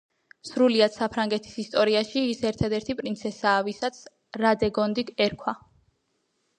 სრულიად საფრანგეთის ისტორიაში, ის ერთადერთი პრინცესაა, ვისაც რადეგონდი ერქვა.